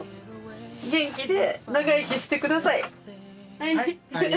はい。